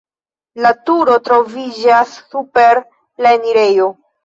La turo troviĝas super la enirejo.